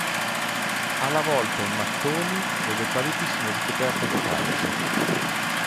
Ha la volta in mattoni e le pareti sono ricoperte di calce.